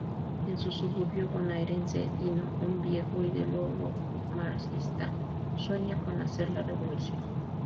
En un suburbio bonaerense, Dino, un viejo ideólogo marxista, sueña con hacer la revolución.